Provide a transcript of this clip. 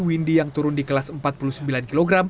windy yang turun di kelas empat puluh sembilan kg